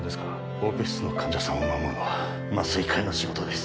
オペ室の患者さんを守るのは麻酔科医の仕事です